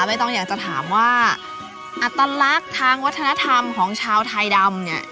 ไม่ต้องอยากจะถามว่าอัตลักษณ์ทางวัฒนธรรมของชาวไทยดำเนี่ย